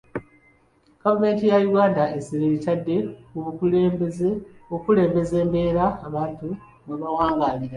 Gavumenti ya Uganda essira eritadde ku kukulembeza mbeera abantu mwe bawangaalira.